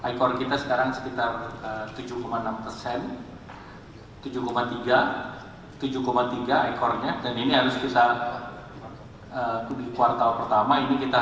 icar kita sekarang sekitar tujuh enam tujuh tiga icarnya